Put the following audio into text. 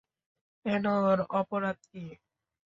কেন, ওর অপরাধ কী?